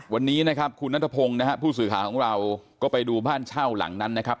วันนี้นะครับคุณนัทพงศ์นะฮะผู้สื่อข่าวของเราก็ไปดูบ้านเช่าหลังนั้นนะครับ